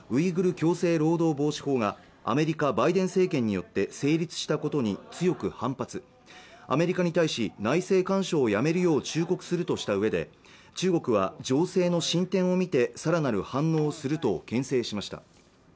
強制労働防止法がアメリカバイデン政権によって成立したことに強く反発アメリカに対し内政干渉をやめるよう忠告するとしたうえで中国は情勢の進展を見てさらなる反応するとけん制しました